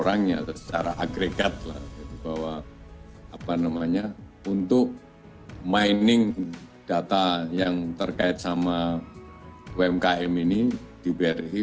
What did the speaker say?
kurangnya secara agregat bahwa apa namanya untuk mining data yang terkait sama umkm ini di bri